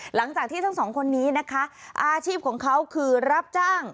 หลังจากที่ทั้งสองคนนี้นะคะอาชีพของเขาคือรับจ้าง